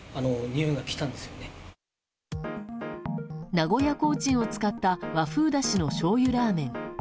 名古屋コーチンを使った和風だしのしょうゆラーメン。